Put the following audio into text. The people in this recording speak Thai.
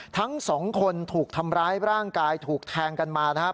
ทั้งสองคนถูกทำร้ายร่างกายถูกแทงกันมานะครับ